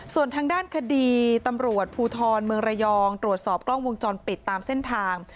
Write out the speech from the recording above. ส่วนทางด้านคดีตำรวจภูทรเมืองระยองตรวจสอบกล้องวงจรปิดตามเส้นทาง